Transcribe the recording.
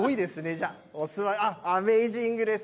じゃあ、お座り、アメージングです。